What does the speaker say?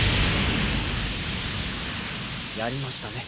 やりましたね。